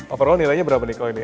overall nilainya berapa nih kalau ini